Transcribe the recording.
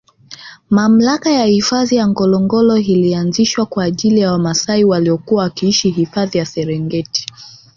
Mamlaka ya hifadhi ya Ngorongoro ilianzishwa kwaajili ya wamaasai waliokuwa wakiishi hifahi ya Serengeti